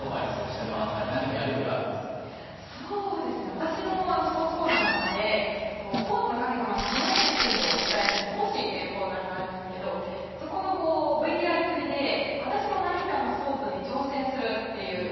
私のスポーツコーナーの中でスポーツの神様がほほ笑んだシーンをお伝えする「スポ神」っていうコーナーがあるんですけどそこのＶＴＲ振りで私も何かのスポーツに挑戦するっていう機会がありまして。